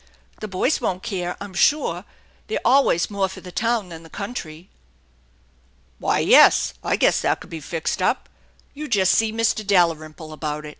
The boys won't care, I'm sure ; they're always more for the town than the country." " Why, yes, I guess that could be fixed up. You just see Mr. Dalrymple about it.